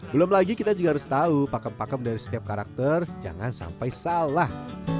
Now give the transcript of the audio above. belum lagi kita juga harus tahu pakem pakem dari setiap karakter jangan sampai salah